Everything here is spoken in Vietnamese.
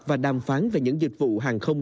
và đàm phán về những dịch vụ hàng không